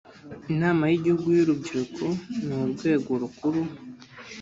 inama y’igihugu y’urubyiruko ni urwego rukuru